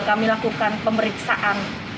kami lakukan pemeriksaan